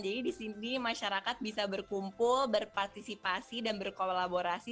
di sini masyarakat bisa berkumpul berpartisipasi dan berkolaborasi